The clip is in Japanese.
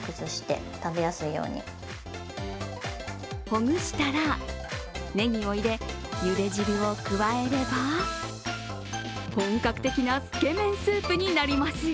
ほぐしたら、ねぎを入れゆで汁を加えれば本格的なつけ麺スープになります。